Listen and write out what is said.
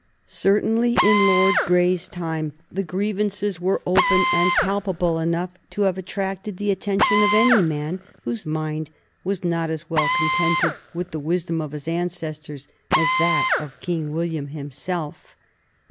Certainly, in Lord Grey's time, the grievances were open and palpable enough to have attracted the attention of any man whose mind was not as well contented with the wisdom of his ancestors as that of King William himself.